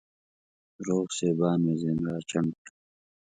روغ سېبان مې ځيني راچڼ کړه